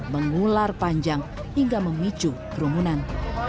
mengular panjang hingga memicu kerumunan